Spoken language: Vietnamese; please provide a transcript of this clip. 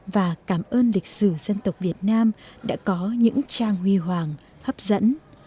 và cảm ơn lịch sử dân tộc việt nam đã có những trang huy hoàng hấp dẫn